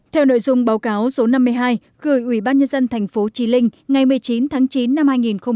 theo nội dung báo cáo số năm mươi hai gửi ủy ban nhân dân thành phố trí linh ngày một mươi chín tháng chín năm hai nghìn một mươi chín